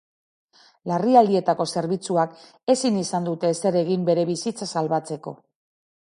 Larrialdietako zerbitzuak ezin izan dute ezer egin bere bizitza salbatzeko.